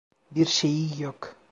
Bir şeyi yok.